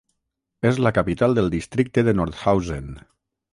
És la capital del districte de Nordhausen.